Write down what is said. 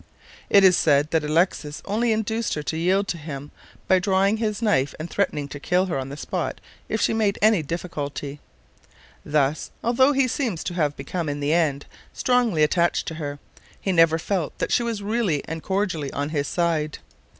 It is said that Alexis only induced her to yield to him by drawing his knife and threatening to kill her on the spot if she made any difficulty. Thus, although he seems to have become, in the end, strongly attached to her, he never felt that she was really and cordially on his side.